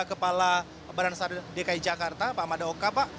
kepala barang sarana dki jakarta pak amadokka